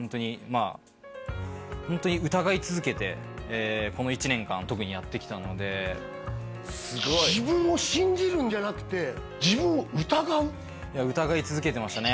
ホントに疑い続けてこの一年間特にやってきたのですごい自分を信じるんじゃなくて疑い続けてましたね